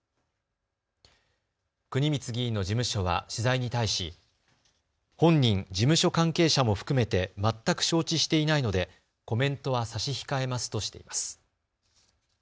国光議員の事務所は取材に対し本人、事務所関係者も含めて全く承知していないのでコメントは差し控えますとしています。